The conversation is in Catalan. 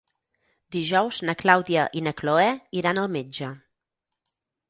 Dijous na Clàudia i na Cloè iran al metge.